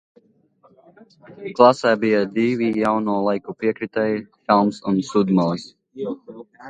Klasē bija divi jauno laiku piekritēji, Šalms un Sudmalis.